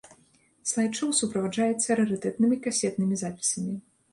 Слайд-шоў суправаджаецца рарытэтнымі касетнымі запісамі.